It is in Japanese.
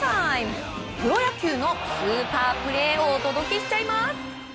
プロ野球のスーパープレーをお届けしちゃいます。